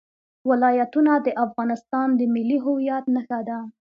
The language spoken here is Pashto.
ولایتونه د افغانستان د ملي هویت نښه ده.